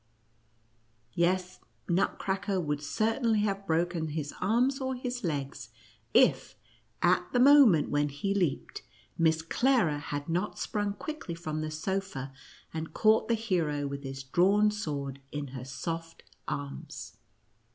Yes, Nut cracker would certainly have broken his arms or his legs, if, at the moment when he leaped, Miss Clara had not sprung quickly from the sofa, and caught the hero with his drawn sword in her soft arms.